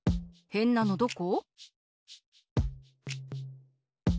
へんなのどこ？